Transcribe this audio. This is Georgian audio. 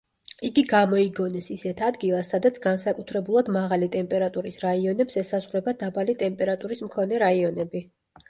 იგი გამოიგონეს ისეთ ადგილას, სადაც განსაკუთრებულად მაღალი ტემპერატურის რაიონებს ესაზღვრება დაბალი ტემპერატურის მქონე რაიონები.